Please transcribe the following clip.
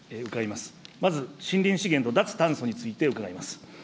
まず森林資源と脱炭素について伺います。